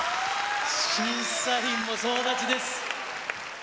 審査員も総立ちです。